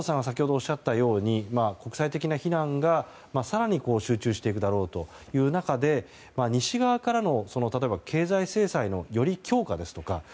先ほどおっしゃったように国際的な非難が更に集中していくだろうという中で西側からの例えば経済制裁のより強化ですとか